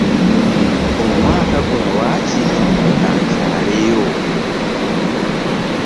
Omwaka guno waakiri ka nkyaleyo.